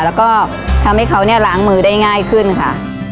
แล้วก็ทำให้เขาเนี่ยล้างมือได้ง่ายขึ้นค่ะ